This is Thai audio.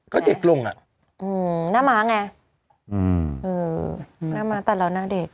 ก็เด็กลงอ่ะอืมหน้าม้าไงอืมหน้าม้าตัดแล้วหน้าเด็ก